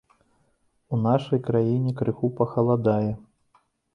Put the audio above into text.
У нашай краіне крыху пахаладае.